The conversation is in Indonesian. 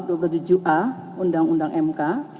dengan ketentuan pasal dua puluh tujuh a undang undang mk